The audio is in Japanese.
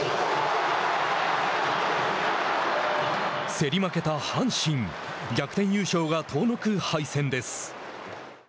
競り負けた阪神逆転優勝が遠のく敗戦です。